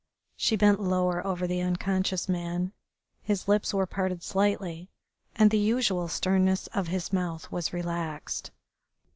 She bent lower over the unconscious man; his lips were parted slightly, and the usual sternness of his mouth was relaxed.